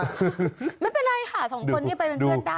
ไม่เป็นไรค่ะสองคนนี้ไปเป็นเพื่อนได้